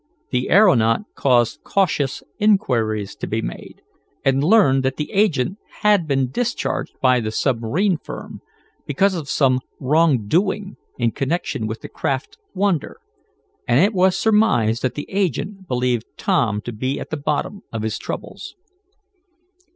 The aeronaut caused cautious inquiries to be made, and learned that the agent had been discharged by the submarine firm, because of some wrong doing in connection with the craft Wonder, and it was surmised that the agent believed Tom to be at the bottom of his troubles.